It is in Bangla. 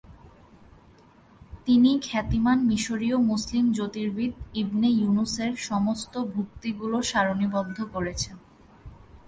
তিনি খ্যাতিমান মিশরীয় মুসলিম জ্যোতির্বিদ ইবনে ইউনূসের সমস্ত ভুক্তিগুলো সারণীবদ্ধ করেছেন।